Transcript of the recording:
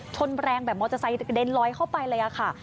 ชนแรงแบบมอเตอร์ไซค์กระเด็นลอยเข้าไปเลยค่ะ